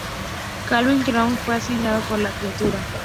Calvin McCann fue asesinado por la criatura.